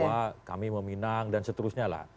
bahwa kami meminang dan seterusnya lah